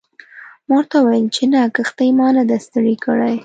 ما ورته وویل چې نه کښتۍ ما نه ده ستړې کړې.